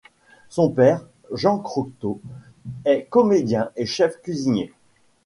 Son père, Jean Croteau, est comédien et chef cuisinier.